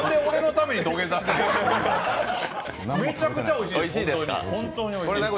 めちゃくちゃおいしいです、本当に。